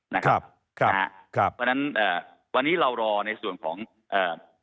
นะครับครับครับวันนั้นเอ่อวันนี้เรารอในส่วนของเอ่อ